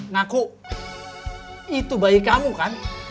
nah kok itu bayi kamu kan